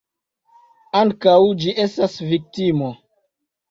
Ankaŭ ĝi estas viktimo.